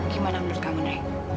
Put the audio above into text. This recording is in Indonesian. gimana menurut kamu nek